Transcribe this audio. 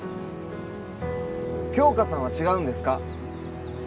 杏花さんは違うんですか？